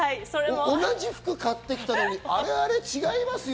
同じ服買ってきたのに、あれあれ違いますよ？